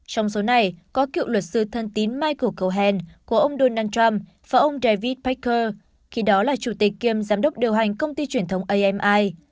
trong số này có cựu luật sư thân tín michael cohen của ông donald trump và ông david packer khi đó là chủ tịch kiêm giám đốc điều hành công ty truyền thống ami